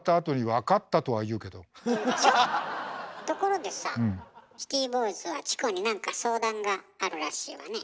ところでさシティボーイズはチコに何か相談があるらしいわね。